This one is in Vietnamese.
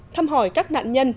thăm hỏi các nạn nhân